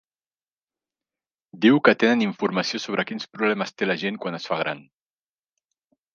Diu que tenen informació sobre quins problemes té a gent quan es fa gran.